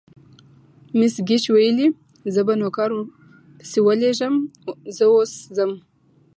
مس ګېج وویل: زه به نوکر پسې ولېږم، زه اوس ځم.